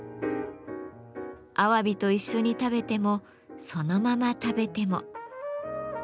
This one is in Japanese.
アワビと一緒に食べてもそのまま食べても。